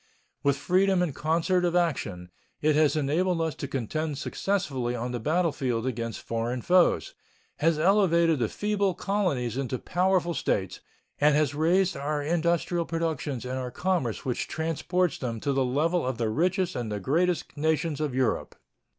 With freedom and concert of action, it has enabled us to contend successfully on the battlefield against foreign foes, has elevated the feeble colonies into powerful States, and has raised our industrial productions and our commerce which transports them to the level of the richest and the greatest nations of Europe.